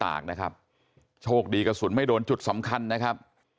กนะครับโชคดีกระสุนไม่โดนจุดสำคัญนะครับ